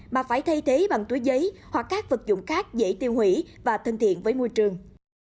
mà phải thay thế bằng túi giấy hoặc các vật dụng khác dễ tiêu hủy và thân thiện với môi trường